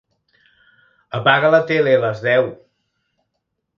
Apaga la tele a les deu.